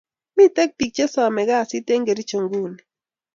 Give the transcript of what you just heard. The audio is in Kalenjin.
Miten pik che same kasit en kericho nguni